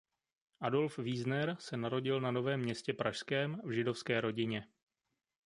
Adolf Wiesner se narodil na Novém Městě pražském v židovské rodině.